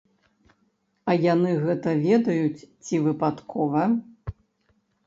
А яны гэта ведаюць ці выпадкова?